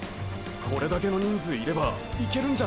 これだけの人数いればいけるんじゃないか？